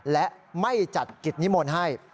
และไม่จัดกิจนิมนต์ให้